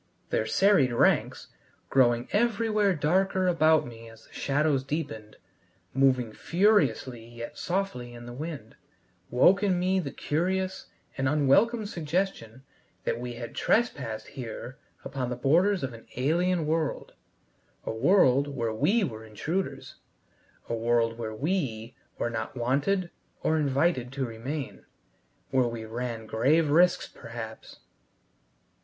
Their serried ranks growing everywhere darker about me as the shadows deepened, moving furiously yet softly in the wind, woke in me the curious and unwelcome suggestion that we had trespassed here upon the borders of an alien world, a world where we were intruders, a world where we were not wanted or invited to remain where we ran grave risks perhaps!